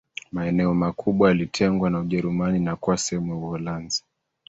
Maeneo makubwa yalitengwa na Ujerumani na kuwa sehemu za Uholanzi